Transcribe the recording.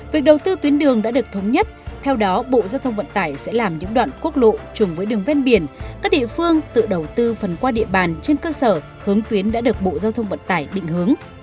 việc đầu tư tuyến đường đã được thống nhất theo đó bộ giao thông vận tải sẽ làm những đoạn quốc lộ chùm với đường ven biển các địa phương tự đầu tư phần qua địa bàn trên cơ sở hướng tuyến đã được bộ giao thông vận tải định hướng